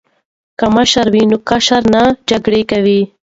که مشره وي نو کشران نه جګړه کوي.